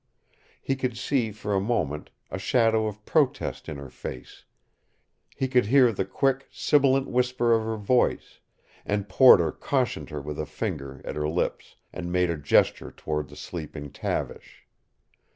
He could see, for a moment, a shadow of protest in her face, he could hear the quick, sibilant whisper of her voice, and Porter cautioned her with a finger at her lips, and made a gesture toward the sleeping Tavish.